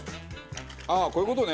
ああーこういう事ね。